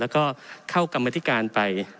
แล้วก็เข้ากรรมธิการไป